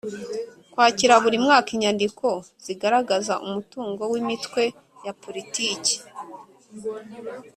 Kwakira buri mwaka inyandiko zigaragaza umutungo w imitwe ya politiki